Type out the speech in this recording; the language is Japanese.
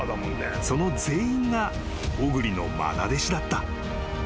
［その全員が小栗の愛弟子だった］